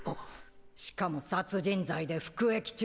しかも殺人罪で服役中の身よ。